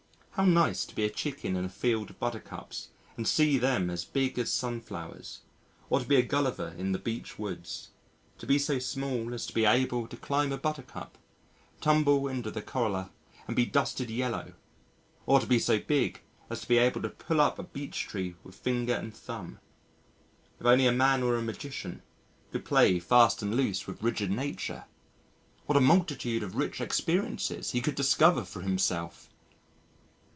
How nice to be a chicken in a field of Buttercups and see them as big as Sunflowers! or to be a Gulliver in the Beech Woods! to be so small as to be able to climb a Buttercup, tumble into the corolla and be dusted yellow or to be so big as to be able to pull up a Beech tree with finger and thumb! If only a man were a magician, could play fast and loose with rigid Nature? what a multitude of rich experiences he could discover for himself!